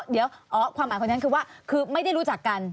เดี๋ยวความหมายคนนั้นคือว่าคือไม่ได้รู้จักกัน